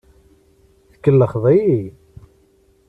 Tkellxeḍ-iyi!